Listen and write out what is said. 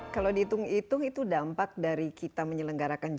kalau dihitung hitung itu dampak dari kita menyelenggarakan g dua puluh